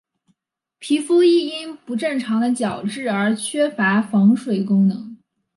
皮肤亦因不正常的角质而缺乏防水功能。